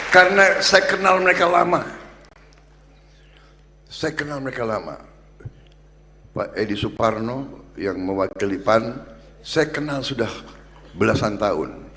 karena saya kenal mereka lama saya kenal mereka lama pak edi suparno yang mewakili pan saya kenal sudah belasan tahun